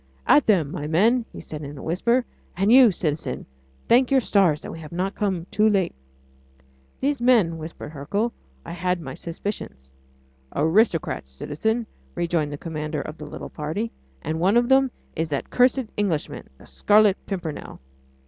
"At them, my men!" he said in a whisper, "and you, citizen, thank your stars that we have not come too late." "These men ..." whispered Hercule. "I had my suspicions." "Aristocrats, citizen," rejoined the commander of the little party, "and one of them is that cursed Englishman the Scarlet Pimpernel."